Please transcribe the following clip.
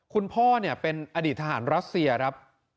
คุณพ่อเป็นอดีตทหารรัสเซียครับ